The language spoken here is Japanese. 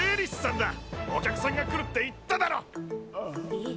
えっ？